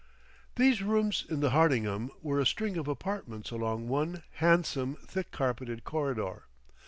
These rooms in the Hardingham were a string of apartments along one handsome thick carpeted corridor.